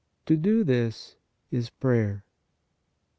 To do this is prayer.